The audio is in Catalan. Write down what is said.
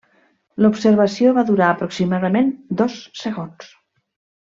L'observació va durar aproximadament dos segons.